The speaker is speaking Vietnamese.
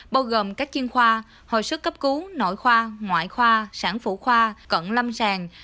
bao gồm các chuyên khoa hồi sức cấp cứu nội khoa ngoại khoa sản phủ khoa cận lâm sàng